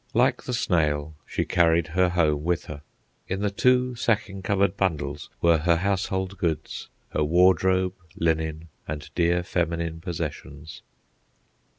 Like the snail, she carried her home with her. In the two sacking covered bundles were her household goods, her wardrobe, linen, and dear feminine possessions.